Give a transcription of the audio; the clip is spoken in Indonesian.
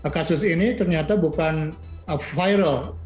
kasus ini ternyata bukan viral